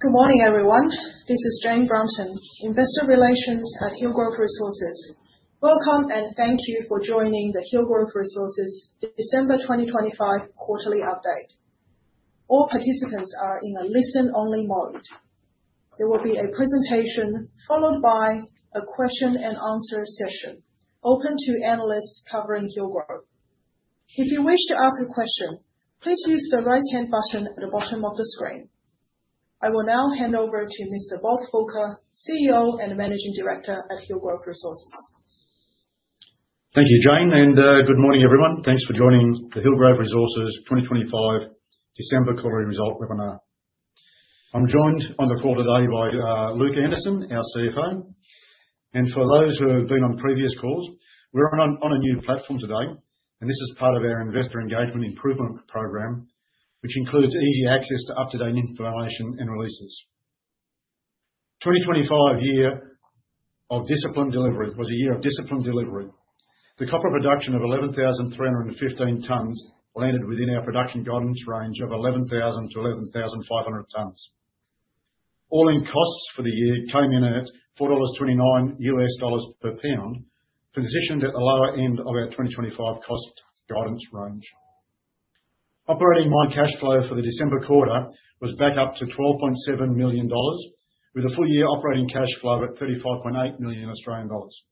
Good morning, everyone. This is Jane Brompton, Investor Relations at Hillgrove Resources. Welcome, and thank you for joining the Hillgrove Resources December 2025 Quarterly Update. All participants are in a listen-only mode. There will be a presentation followed by a question-and-answer session open to analysts covering Hillgrove. If you wish to ask a question, please use the right-hand button at the bottom of the screen. I will now hand over to Mr. Bob Fulker, CEO and Managing Director at Hillgrove Resources. Thank you, Jane, and good morning, everyone. Thanks for joining the Hillgrove Resources 2025 December Quarterly Result Webinar. I'm joined on the call today by Luke Anderson, our CFO, and for those who have been on previous calls, we're on a new platform today, and this is part of our Investor Engagement Improvement Program, which includes easy access to up-to-date information and releases. The 2025 year of discipline delivery was a year of discipline delivery. The copper production of 11,315 tonnes landed within our production guidance range of 11,000-11,500 tonnes. All-in costs for the year came in at $4.29 USD per pound, positioned at the lower end of our 2025 cost guidance range. Operating mine cash flow for the December quarter was back up to 12.7 million dollars, with a full-year operating cash flow of 35.8 million Australian dollars.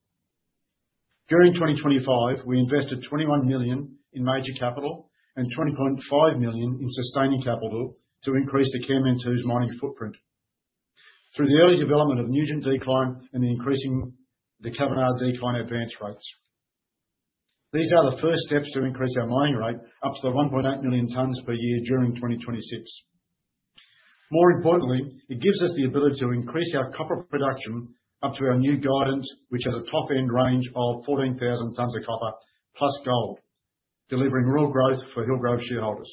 During 2025, we invested 21 million in major capital and 20.5 million in sustaining capital to increase the Kanmantoo's mining footprint through the early development of Nugent decline and the increasing decline advance rates. These are the first steps to increase our mining rate up to the 1.8 million tonnes per year during 2026. More importantly, it gives us the ability to increase our copper production up to our new guidance, which has a top-end range of 14,000 tonnes of copper plus gold, delivering real growth for Hillgrove shareholders.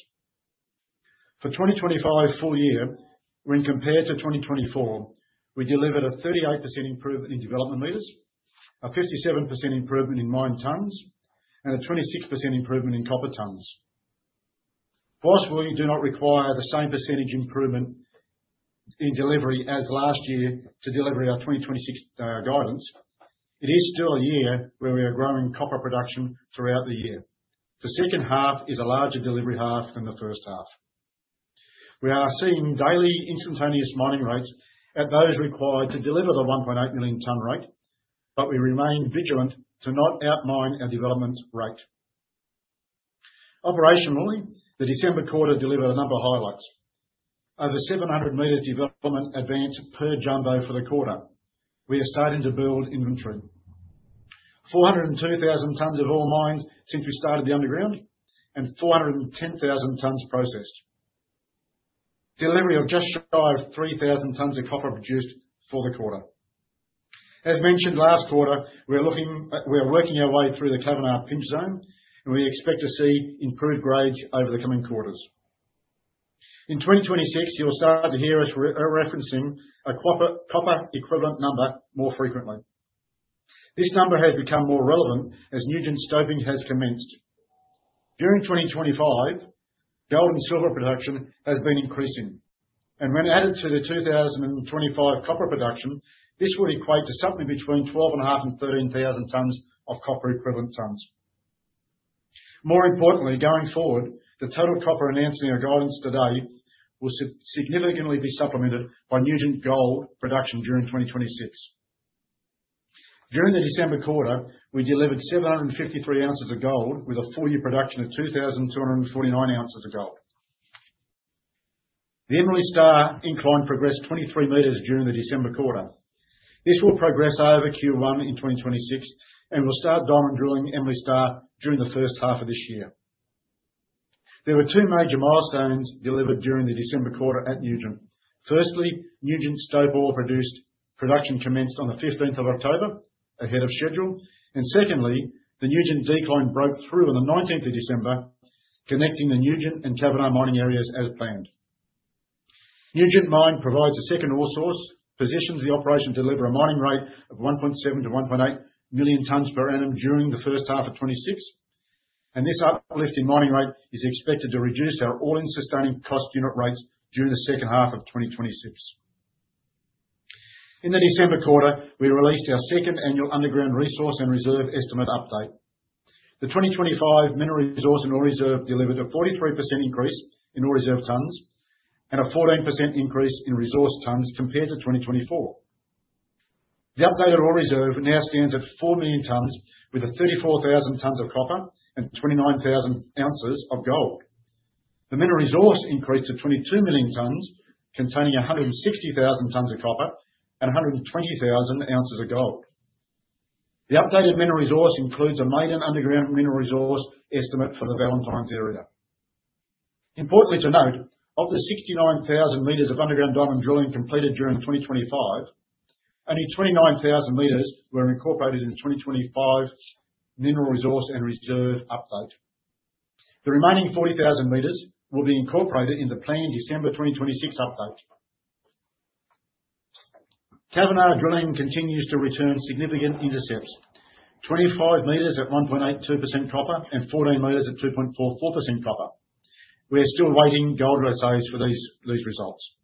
For the 2025 full year, when compared to 2024, we delivered a 38% improvement in development metres, a 57% improvement in mine tonnes, and a 26% improvement in copper tonnes. While we do not require the same percentage improvement in delivery as last year to deliver our 2026 guidance, it is still a year where we are growing copper production throughout the year. The second half is a larger delivery half than the first half. We are seeing daily instantaneous mining rates at those required to deliver the 1.8 million tonne rate, but we remain vigilant to not outmine our development rate. Operationally, the December quarter delivered a number of highlights: over 700 m development advance per jumbo for the quarter. We are starting to build inventory: 402,000 tonnes of ore mined since we started the underground and 410,000 tonnes processed. Delivery of just shy of 3,000 tonnes of copper produced for the quarter. As mentioned last quarter, we are working our way through the Kavanagh pinch zone, and we expect to see improved grades over the coming quarters. In 2026, you'll start to hear us referencing a copper equivalent number more frequently. This number has become more relevant as Nugent stoping has commenced. During 2025, gold and silver production has been increasing, and when added to the 2025 copper production, this would equate to something between 12,500 and 13,000 tonnes of copper equivalent tonnes. More importantly, going forward, the total copper announced in our guidance today will significantly be supplemented by Nugent gold production during 2026. During the December quarter, we delivered 753 ounces of gold with a full-year production of 2,249 ounces of gold. The Emily Star incline progressed 23 m during the December quarter. This will progress over Q1 in 2026 and will start diamond drilling Emily Star during the first half of this year. There were two major milestones delivered during the December quarter at Nugent. Firstly, Nugent stope ore production commenced on the 15th of October ahead of schedule, and secondly, the Nugent decline broke through on the 19th of December, connecting the Nugent and Kavanagh mining areas as planned. Nugent mine provides a second ore source, positions the operation to deliver a mining rate of 1.7-1.8 million tonnes per annum during the first half of 2026, and this uplift in mining rate is expected to reduce our all-in sustaining cost unit rates during the second half of 2026. In the December quarter, we released our second annual underground resource and reserve estimate update. The 2025 mineral resource and ore reserve delivered a 43% increase in ore reserve tonnes and a 14% increase in resource tonnes compared to 2024. The updated ore reserve now stands at 4 million tonnes, with 34,000 tonnes of copper and 29,000 ounces of gold. The mineral resource increased to 22 million tonnes, containing 160,000 tonnes of copper and 120,000 ounces of gold. The updated mineral resource includes a maiden underground mineral resource estimate for the Valentine area. Importantly to note, of the 69,000 m of underground diamond drilling completed during 2025, only 29,000 m were incorporated in the 2025 mineral resource and reserve update. The remaining 40,000 m will be incorporated in the planned December 2026 update. Kavanagh drilling continues to return significant intercepts: 25 m at 1.82% copper and 14 m at 2.44% copper. We are still waiting gold assays for these results.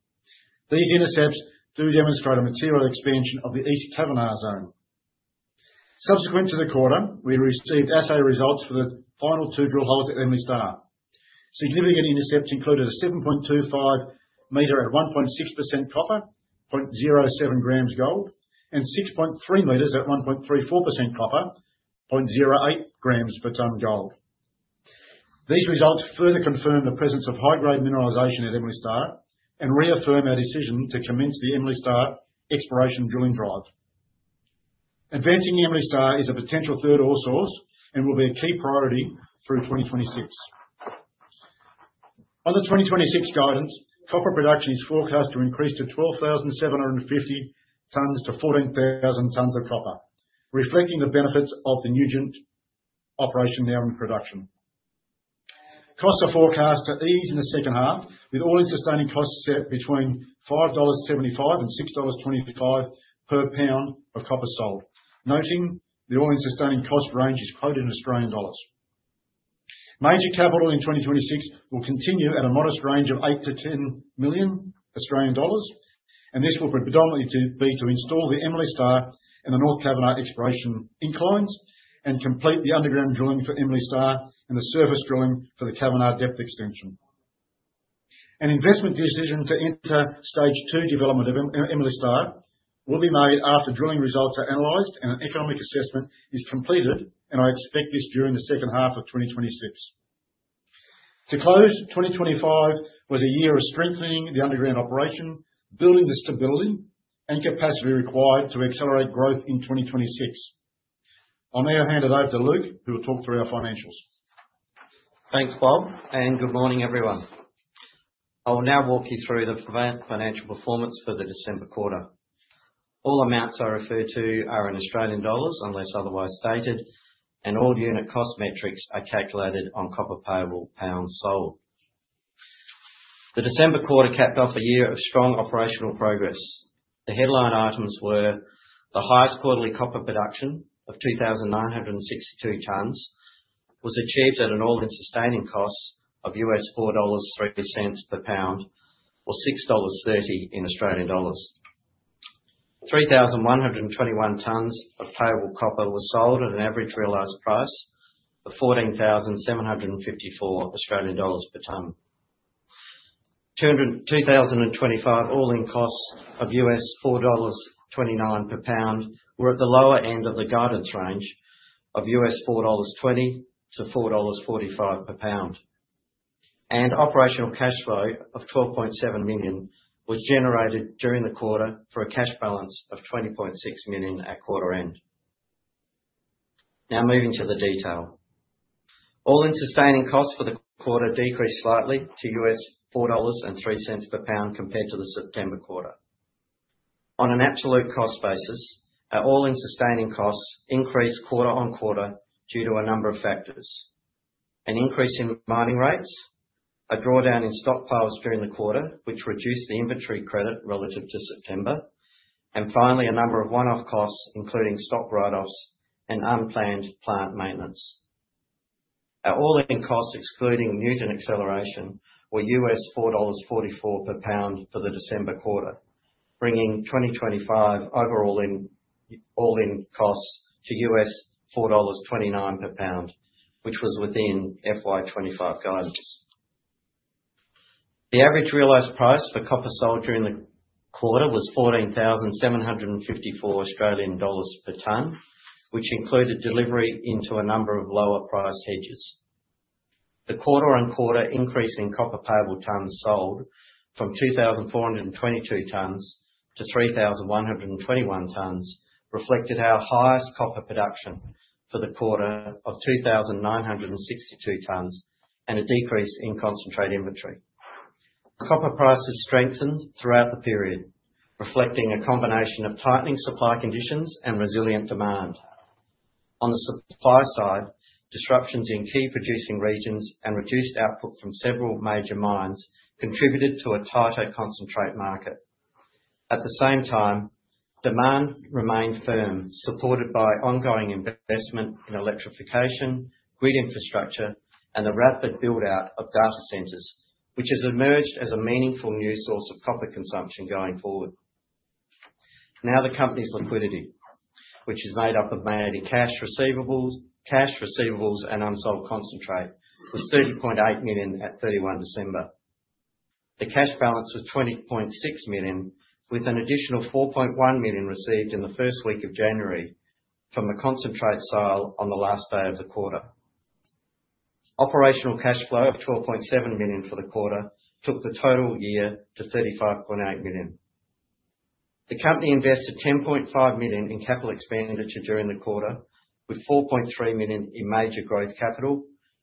These intercepts do demonstrate a material expansion of the East Kavanagh zone. Subsequent to the quarter, we received assay results for the final two drill holes at Emily Star. Significant intercepts included a 7.25 m at 1.6% copper, 0.07 g gold, and 6.3 m at 1.34% copper, 0.08 grams per tonne gold. These results further confirm the presence of high-grade mineralization at Emily Star and reaffirm our decision to commence the Emily Star exploration drilling drive. Advancing Emily Star is a potential third ore source and will be a key priority through 2026. On the 2026 guidance, copper production is forecast to increase to 12,750-14,000 tonnes of copper, reflecting the benefits of the Nugent operation now in production. Costs are forecast to ease in the second half, with all-in sustaining costs set between 5.75 dollars and 6.25 dollars per pound of copper sold, noting the all-in sustaining cost range is quoted in Australian dollars. Major capital in 2026 will continue at a modest range of 8-10 million Australian dollars, and this will predominantly be to install the Emily Star and the North Kavanagh exploration inclines and complete the underground drilling for Emily Star and the surface drilling for the Kavanagh depth extension. An investment decision to enter stage two development of Emily Star will be made after drilling results are analyzed and an economic assessment is completed, and I expect this during the second half of 2026. To close, 2025 was a year of strengthening the underground operation, building the stability and capacity required to accelerate growth in 2026. I'll now hand it over to Luke, who will talk through our financials. Thanks, Bob, and good morning, everyone. I will now walk you through the financial performance for the December quarter. All amounts I refer to are in AUD unless otherwise stated, and all unit cost metrics are calculated on copper payable pounds sold. The December quarter capped off a year of strong operational progress. The headline items were the highest quarterly copper production of 2,962 tonnes, which was achieved at an all-in sustaining cost of $4.03 per pound or 6.30 dollars in Australian dollars. 3,121 tonnes of payable copper were sold at an average realised price of 14,754 Australian dollars per tonne. 2025 all-in costs of $4.29 per pound were at the lower end of the guidance range of $4.20-$4.45 per pound, and operational cash flow of 12.7 million was generated during the quarter for a cash balance of 20.6 million at quarter end. Now moving to the detail. All-in sustaining costs for the quarter decreased slightly to $4.03 per pound compared to the September quarter. On an absolute cost basis, our all-in sustaining costs increased quarter on quarter due to a number of factors: an increase in mining rates, a drawdown in stockpiles during the quarter, which reduced the inventory credit relative to September, and finally, a number of one-off costs, including stock write-offs and unplanned plant maintenance. Our all-in costs, excluding Nugent acceleration, were $4.44 per pound for the December quarter, bringing 2025 overall all-in costs to $4.29 per pound, which was within FY 2025 guidance. The average realized price for copper sold during the quarter was 14,754 Australian dollars per tonne, which included delivery into a number of lower-priced hedges. The quarter-on-quarter increase in copper payable tonnes sold from 2,422 tonnes to 3,121 tonnes reflected our highest copper production for the quarter of 2,962 tonnes and a decrease in concentrate inventory. Copper prices strengthened throughout the period, reflecting a combination of tightening supply conditions and resilient demand. On the supply side, disruptions in key producing regions and reduced output from several major mines contributed to a tighter concentrate market. At the same time, demand remained firm, supported by ongoing investment in electrification, grid infrastructure, and the rapid build-out of data centers, which has emerged as a meaningful new source of copper consumption going forward. Now the company's liquidity, which is made up of mainly cash receivables and unsold concentrate, was 30.8 million at 31 December. The cash balance was 20.6 million, with an additional 4.1 million received in the first week of January from the concentrate sale on the last day of the quarter. Operational cash flow of 12.7 million for the quarter took the total year to 35.8 million. The company invested 10.5 million in capital expenditure during the quarter, with 4.3 million in major growth capital,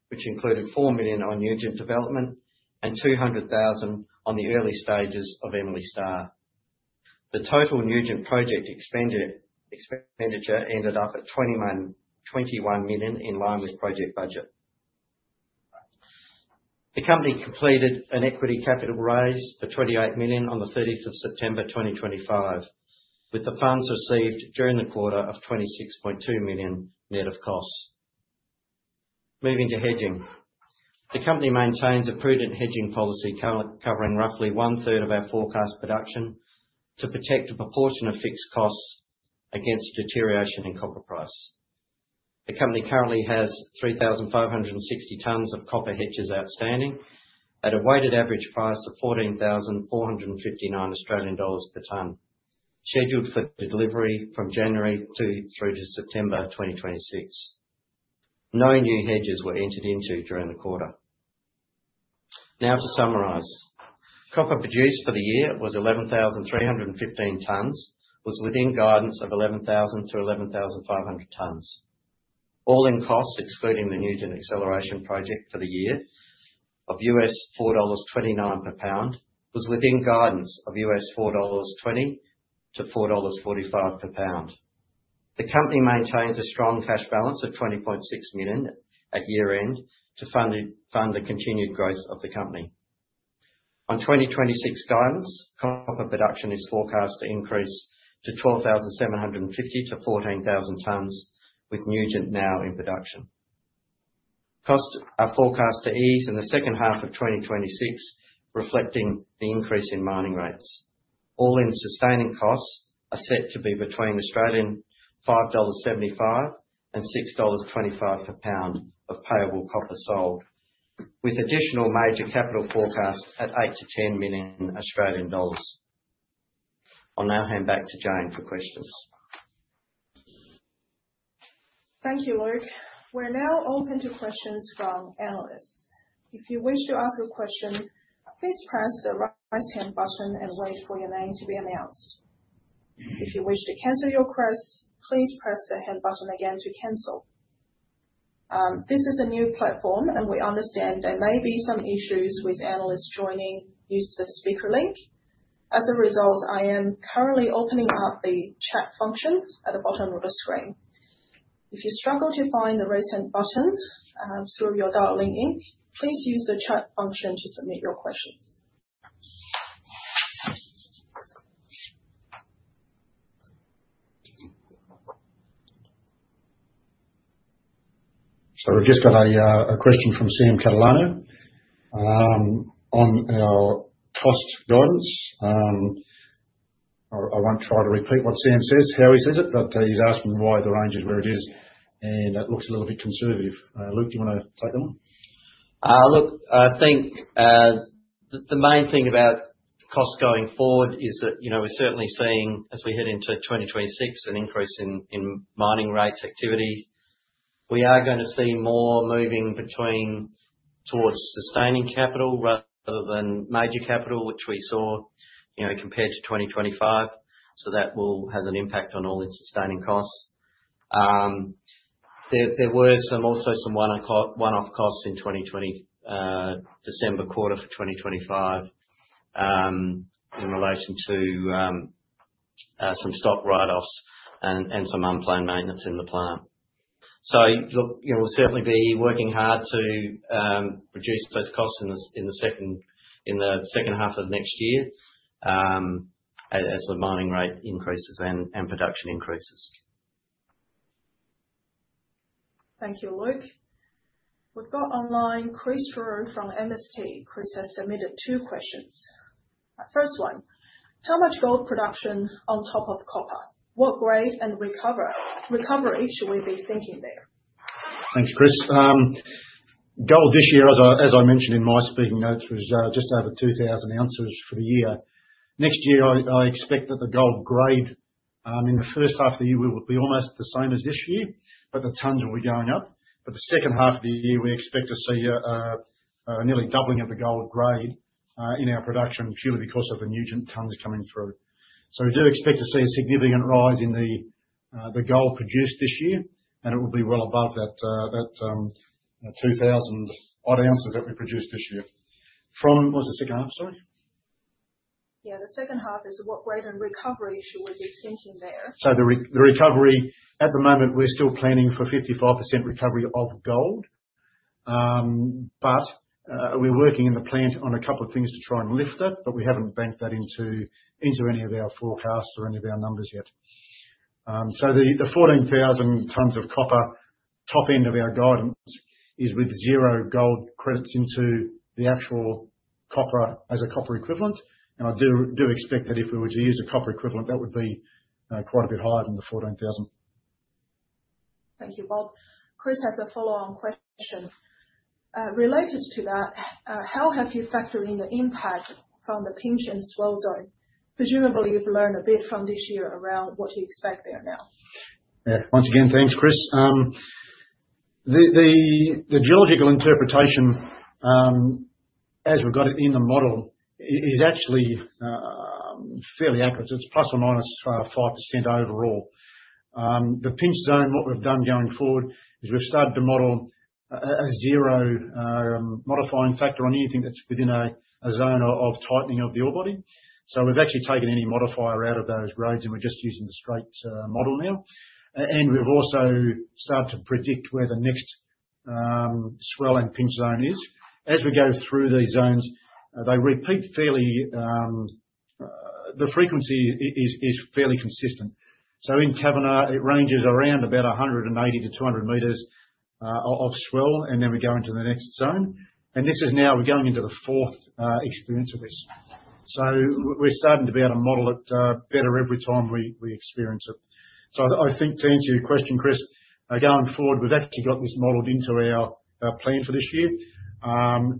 which included 4 million on Nugent development and 200,000 on the early stages of Emily Star. The total Nugent project expenditure ended up at 21 million in line with project budget. The company completed an equity capital raise for 28 million on the 30th of September 2025, with the funds received during the quarter of 26.2 million net of costs. Moving to hedging, the company maintains a prudent hedging policy covering roughly one-third of our forecast production to protect a proportion of fixed costs against deterioration in copper price. The company currently has 3,560 tonnes of copper hedges outstanding at a weighted average price of 14,459 Australian dollars per tonne, scheduled for delivery from January through to September 2026. No new hedges were entered into during the quarter. Now to summarize, copper produced for the year was 11,315 tonnes, which was within guidance of 11,000-11,500 tonnes. All-in costs, excluding the Nugent acceleration project for the year of $4.29 per pound, was within guidance of $4.20-$4.45 per pound. The company maintains a strong cash balance of 20.6 million at year-end to fund the continued growth of the company. On 2026 guidance, copper production is forecast to increase to 12,750-14,000 tonnes, with Nugent now in production. Costs are forecast to ease in the second half of 2026, reflecting the increase in mining rates. All-in sustaining costs are set to be between 5.75 Australian dollars and 6.25 dollars per pound of payable copper sold, with additional major capital forecast at 8-10 million Australian dollars. I'll now hand back to Jane for questions. Thank you, Luke. We're now open to questions from analysts. If you wish to ask a question, please press the right-hand button and wait for your name to be announced. If you wish to cancel your question, please press the hand button again to cancel. This is a new platform, and we understand there may be some issues with analysts joining using the speaker link. As a result, I am currently opening up the chat function at the bottom of the screen. If you struggle to find the raise-hand button through your dialing in, please use the chat function to submit your questions. So we've just got a question from Sam Catalano on our cost guidance. I won't try to repeat what Sam says, how he says it, but he's asking why the range is where it is, and it looks a little bit conservative. Luke, do you want to take that one? Look, I think the main thing about costs going forward is that we're certainly seeing, as we head into 2026, an increase in mining rates activity. We are going to see more moving towards sustaining capital rather than major capital, which we saw compared to 2025, so that has an impact on all-in sustaining costs. There were also some one-off costs in December quarter for 2025 in relation to some stock write-offs and some unplanned maintenance in the plant. So we'll certainly be working hard to reduce those costs in the second half of next year as the mining rate increases and production increases. Thank you, Luke. We've got online Chris Drew from MST. Chris has submitted two questions. First one, how much gold production on top of copper? What grade and recovery should we be thinking there? Thanks, Chris. Gold this year, as I mentioned in my speaking notes, was just over 2,000 ounces for the year. Next year, I expect that the gold grade in the first half of the year will be almost the same as this year, but the tonnes will be going up. But the second half of the year, we expect to see nearly doubling of the gold grade in our production purely because of the Nugent tonnes coming through. So we do expect to see a significant rise in the gold produced this year, and it will be well above that 2,000 odd ounces that we produced this year. From what was the second half, sorry? Yeah, the second half is what grade and recovery should we be thinking there? The recovery, at the moment, we're still planning for 55% recovery of gold, but we're working in the plant on a couple of things to try and lift that, but we haven't banked that into any of our forecasts or any of our numbers yet. The 14,000 tonnes of copper top end of our guidance is with zero gold credits into the actual copper as a copper equivalent, and I do expect that if we were to use a copper equivalent, that would be quite a bit higher than the 14,000. Thank you, Bob. Chris has a follow-on question. Related to that, how have you factored in the impact from the pinch zone? Presumably, you've learned a bit from this year around what to expect there now. Yeah, once again, thanks, Chris. The geological interpretation, as we've got it in the model, is actually fairly accurate. It's plus or minus 5% overall. The pinch zone, what we've done going forward is we've started to model a zero modifying factor on anything that's within a zone of tightening of the ore body. So we've actually taken any modifier out of those grades, and we're just using the straight model now, and we've also started to predict where the next swell and pinch zone is. As we go through these zones, they repeat fairly the frequency is fairly consistent, so in Kavanagh, it ranges around about 180 to 200 meters of swell, and then we go into the next zone, and this is now we're going into the fourth experience of this, so we're starting to be able to model it better every time we experience it. So I think, to answer your question, Chris, going forward, we've actually got this modeled into our plan for this year.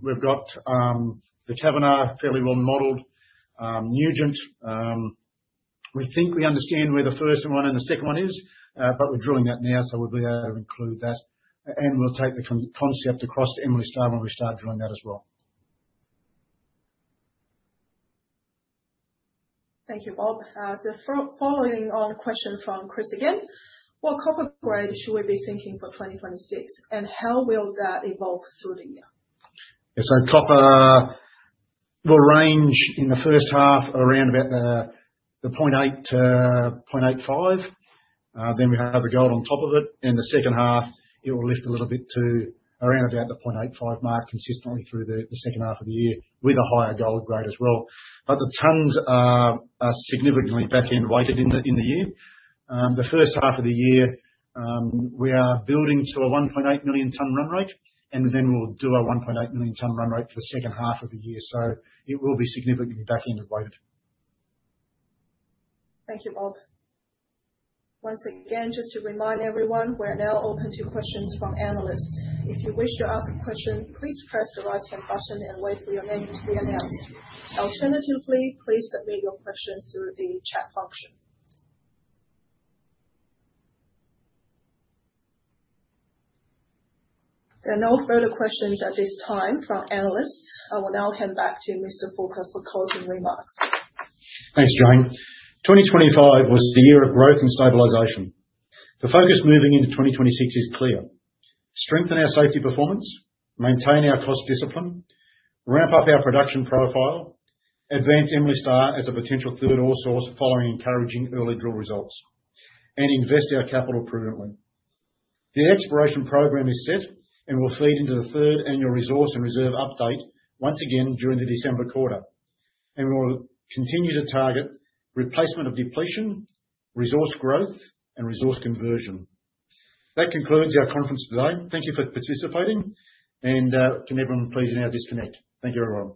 We've got the Kavanagh fairly well modeled Nugent. We think we understand where the first one and the second one is, but we're drilling that now, so we'll be able to include that. And we'll take the concept across to Emily Star when we start drilling that as well. Thank you, Bob. So following on a question from Chris again, what copper grade should we be thinking for 2026, and how will that evolve through the year? So copper will range in the first half around about the 0.8-0.85. Then we have the gold on top of it. In the second half, it will lift a little bit to around about the 0.85 mark consistently through the second half of the year with a higher gold grade as well. But the tonnes are significantly back-end weighted in the year. The first half of the year, we are building to a 1.8 million tonne run rate, and then we'll do a 1.8 million tonne run rate for the second half of the year. So it will be significantly back-end weighted. Thank you, Bob. Once again, just to remind everyone, we're now open to questions from analysts. If you wish to ask a question, please press the right-hand button and wait for your name to be announced. Alternatively, please submit your questions through the chat function. There are no further questions at this time from analysts. I will now hand back to Mr. Fulker for closing remarks. Thanks, Jane. 2025 was the year of growth and stabilization. The focus moving into 2026 is clear: strengthen our safety performance, maintain our cost discipline, ramp up our production profile, advance Emily Star as a potential third ore source following encouraging early drill results, and invest our capital prudently. The exploration program is set and will feed into the third annual resource and reserve update once again during the December quarter, and we will continue to target replacement of depletion, resource growth, and resource conversion. That concludes our conference today. Thank you for participating, and can everyone please now disconnect? Thank you, everyone.